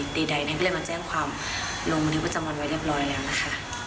ไม่ได้มาแจ้งความลงมาถึงประจำวันไว้เรียบร้อยแล้วนะคะ